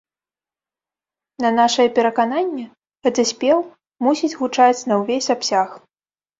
На нашае перакананне, гэты спеў мусіць гучаць на ўвесь абсяг.